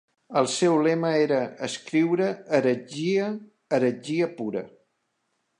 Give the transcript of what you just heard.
El seu lema era: "Escriure heretgia, heretgia pura.